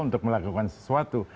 mereka juga melakukan sesuatu